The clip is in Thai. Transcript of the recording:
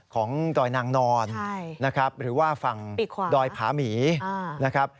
ดอยนางนอนนะครับหรือว่าฝั่งดอยผาหมีนะครับ